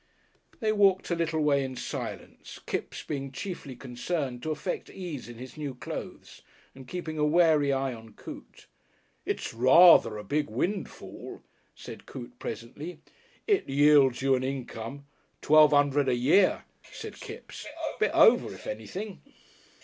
They walked a little way in silence, Kipps being chiefly concerned to affect ease in his new clothes and keeping a wary eye on Coote. "It's rather a big windfall," said Coote presently. "It yields you an income ?" "Twelve 'undred a year," said Kipps. "Bit over if anything."